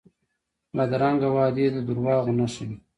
بدرنګه وعدې د دروغو نښه وي